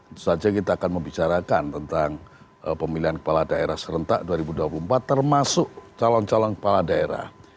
tentu saja kita akan membicarakan tentang pemilihan kepala daerah serentak dua ribu dua puluh empat termasuk calon calon kepala daerah